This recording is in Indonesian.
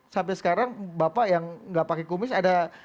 sampai sekarang bapak yang nggak pakai kumis ada